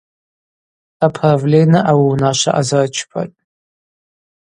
Аправлена ауи унашва азырчпатӏ.